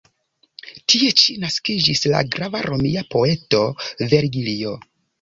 Tie ĉi naskiĝis la grava romia poeto Vergilio.